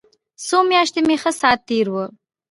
څو مياشتې مې ښه ساعت تېر و.